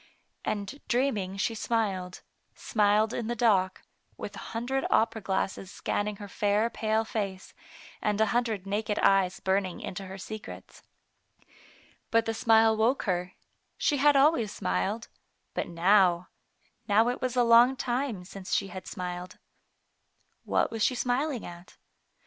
And dreaming she smiled, smiled in the dock, with a hundred opera glasses scanning her fair pale face, and a hundred naked eyes burning into her secrets. But the smile woke her, she had always smiled ; but now, now it was a long time since she had Digitized by Google t4^ THE PATE 6F PeNELLA, smiled. What was she smiling at?